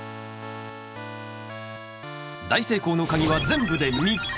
大成功の鍵は全部で３つ。